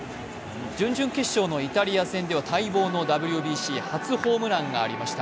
準々決勝のイタリア戦では待望のＷＢＣ初ホームランがありました。